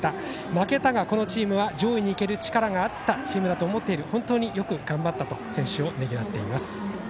負けたが、このチームは上位にいける力があったチームだと思っている本当によく頑張ったと選手をねぎらっています。